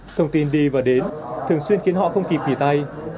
thông tin đi và đến thường xuyên khiến họ không kịp nghỉ tay